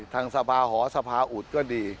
ทางสภาหอสภาอุดก็ดี